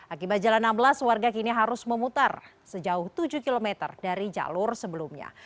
akibat jalan amblas warga kini harus memutar sejauh tujuh km dari jalur sebelumnya